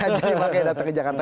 jadi pakai data ke jakarta